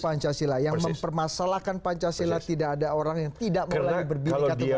pancasila yang mempermasalahkan pancasila tidak ada orang yang tidak mengenai berdiri kalau dia